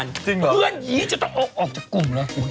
จริงเหรอออกจากกลุ่มแล้วเพื่อนหญิงจะต้องออกจากกลุ่มแล้ว